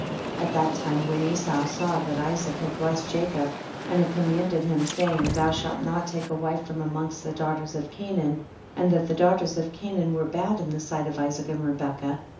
42. At that time when Esau saw that Isaac had blessed Jacob, and had commanded him, saying, thou shalt not take a wife from amongst the daughters of Canaan, and that the daughters of Canaan were bad in the sight of Isaac and Rebecca, 43.